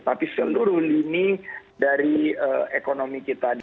tapi seluruh lini dari ekonomi kita